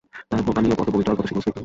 তার পানীয় কতো পবিত্র আর কতো শীতল স্নিগ্ধ।